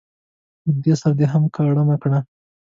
له ده سره دې هم که اړمه کړه.